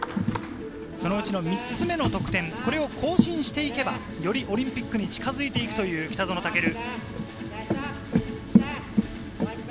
そのうちの３つ目の得点、これを更新していけば、よりオリンピックに近づいていくという北園丈琉。